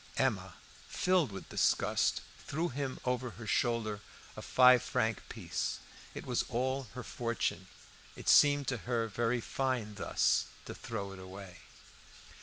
Emma, filled with disgust, threw him over her shoulder a five franc piece. It was all her fortune. It seemed to her very fine thus to throw it away.